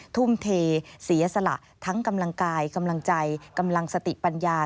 ทุ่มเทเสียสละทั้งกำลังกายกำลังใจกำลังสติปัญญา